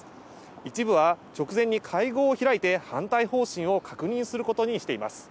一部は直前に会合を開いて反対方針を確認することにしています。